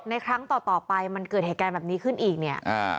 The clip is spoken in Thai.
ครั้งต่อต่อไปมันเกิดเหตุการณ์แบบนี้ขึ้นอีกเนี่ย